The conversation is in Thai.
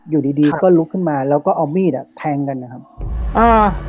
อยู่ดีดีก็ลุกขึ้นมาแล้วก็เอามีดอ่ะแทงกันนะครับอ่า